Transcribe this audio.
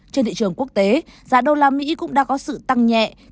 trên thị trường quốc tế giá đô la mỹ cũng đã có sự tăng nhẹ